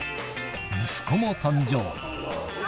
息子も誕生。